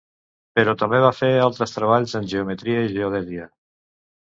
Però també va fer altres treballs en geometria i geodèsia.